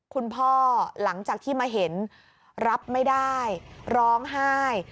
คุณพ่อหลังจากที่มาเห็นรับไม่ได้ร้องไห้